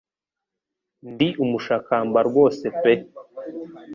Ndi umushakamba rwose pe